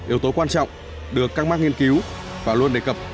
yếu tố quan trọng được các mark nghiên cứu và luôn đề cập